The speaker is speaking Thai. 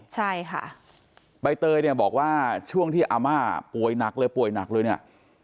ใช่ค่ะใบเตยเนี่ยบอกว่าช่วงที่อาม่าป่วยหนักเลยป่วยหนักเลยเนี่ย